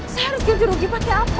saya harus ganti rugi pakai apa